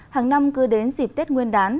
hàng năm cứ đến dịp tết nguyên đán